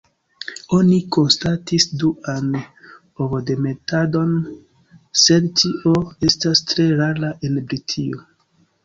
Oni konstatis duan ovodemetadon, sed tio estas tre rara en Britio.